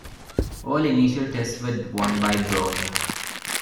All initial tests were won by Browning.